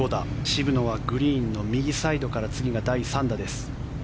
渋野はグリーンの右サイドから次が第３打です。